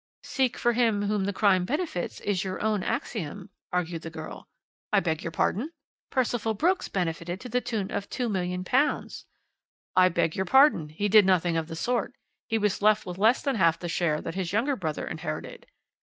"Seek for him whom the crime benefits, is your own axiom," argued the girl. "I beg your pardon?" "Percival Brooks benefited to the tune of £2,000,000." "I beg your pardon. He did nothing of the sort. He was left with less than half the share that his younger brother inherited."